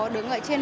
đứng ở trên